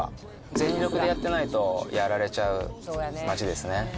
全力でやってないとやられちゃう街ですね。